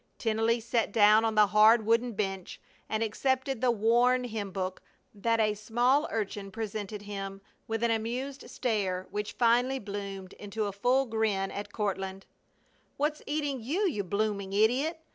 Tennelly sat down on the hard wooden bench and accepted the worn hymn book that a small urchin presented him, with an amused stare which finally bloomed into a full grin at Courtland. "What's eating you, you blooming idiot!